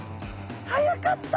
早かった！